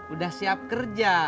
udah siap kerja